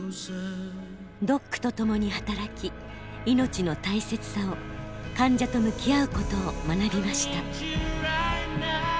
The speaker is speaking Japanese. ドックと共に働き命の大切さを患者と向き合うことを学びました。